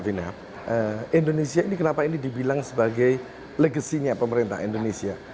jadi gini mbak fina indonesia ini kenapa ini dibilang sebagai legasinya pemerintah indonesia